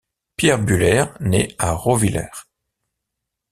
Pierre Buhler, né à Rauwiller.